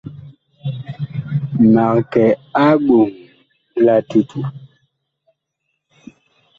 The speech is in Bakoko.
Mag kɛ a eɓom la tutu.